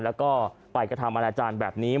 แล้วก็ไปกระทำอาณาจารย์แบบนี้